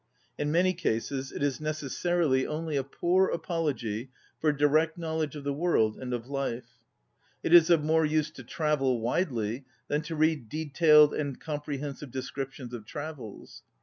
In many cases it is neces sarily only a poor apology for direct knowledge of the world and of life. It is of more use to travel widely than to read detailed and comprehen sive descriptions of travels.